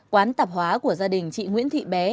quán tạp hóa của gia đình chị nguyễn thị bé